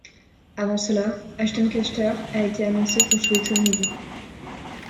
Avant cela, Ashton Kutcher a été annoncé pour jouer Tommy Lee.